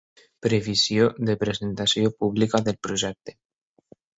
Previsió de presentació pública del projecte.